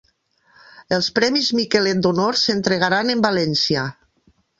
Els premis Miquelet d'Honor s'entregaran en València